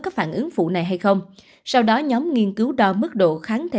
có phản ứng phụ này hay không sau đó nhóm nghiên cứu đo mức độ kháng thể